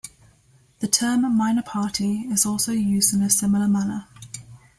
The term "minor party" is also used in a similar manner.